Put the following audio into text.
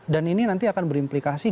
dan ini nanti akan berimplikasi